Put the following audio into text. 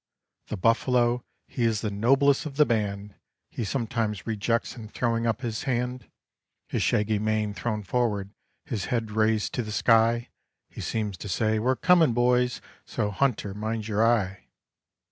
The buffalo, he is the noblest of the band, He sometimes rejects in throwing up his hand. His shaggy main thrown forward, his head raised to the sky, He seems to say, "We're coming, boys; so hunter, mind your eye."